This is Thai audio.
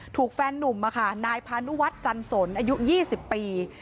แฟนนุ่มนายพานุวัฒน์จันสนอายุ๒๐ปี